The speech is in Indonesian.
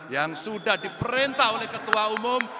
yang sudah diperintah oleh ketua umum